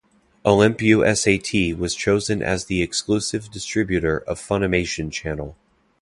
Olympusat was chosen as the exclusive distributor of Funimation Channel.